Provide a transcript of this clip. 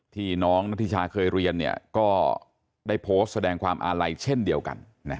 ที่น้องนัทธิชาเคยเรียนก็ได้โพสต์แสดงความอาลัยเช่นเดียวกัน